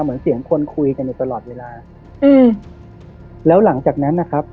เหมือนเสียงคนคุยกันอยู่ตลอดเวลาอืมแล้วหลังจากนั้นนะครับ